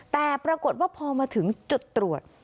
แต่ปรากฏว่าพอมาถึงจุดตรวจ